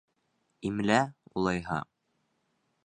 Имлә, улайһа.